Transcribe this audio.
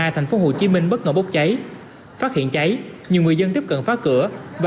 thành phố hồ chí minh bất ngờ bốc cháy phát hiện cháy nhiều người dân tiếp cận phá cửa và